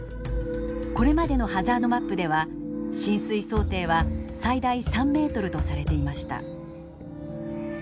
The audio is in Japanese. これまでのハザードマップでは浸水想定は最大３ｍとされていました。